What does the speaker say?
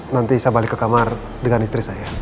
nanti saya balik ke kamar dengan istri saya